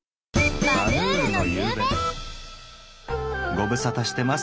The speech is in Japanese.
ご無沙汰してます